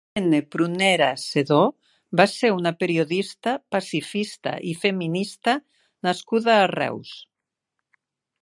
Irene Prunera Sedó va ser una periodista, pacifista i feminista nascuda a Reus.